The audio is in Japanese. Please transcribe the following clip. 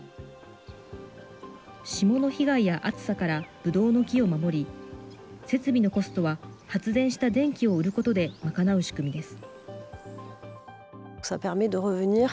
霜の被害や暑さからぶどうの木を守り、設備のコストは発電した電気を売ることで賄う仕組みです。